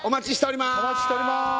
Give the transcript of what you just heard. お待ちしております